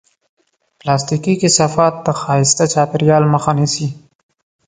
پلاستيکي کثافات د ښایسته چاپېریال مخه نیسي.